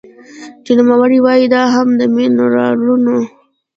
چې نوموړې وايي دا هم د مېنرالونو